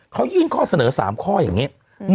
เขายื่นข้อเสนอ๓ข้ออย่างนี้